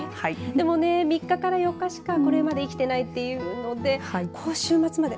でもね、３日から４日しかこれまで生きていないというので今週末まで。